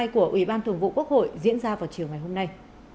của ủy ban thường vụ quốc hội diễn ra vào chiều ngày hôm nay